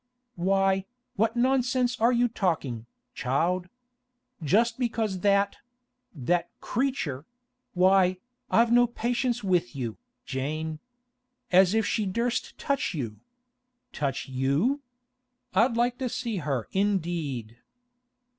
'Why, what nonsense are you talking, child! Just because that—that creature—Why, I've no patience with you, Jane! As if she durst touch you! Touch you? I'd like to see her indeed.